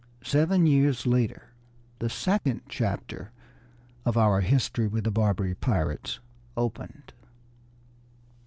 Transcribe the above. Seven years later the second chapter of our history with the Barbary pirates opened.